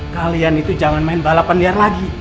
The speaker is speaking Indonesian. kalian itu jangan main balapan liar lagi